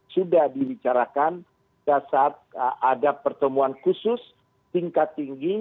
sudah dibicarakan pada saat ada pertemuan khusus tingkat tinggi